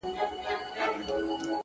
د بریا زینه له حوصلې جوړیږي